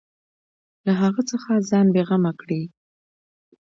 له هغه څخه ځان بېغمه کړي.